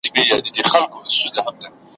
مه وایه: چې غواړم ودې وینم!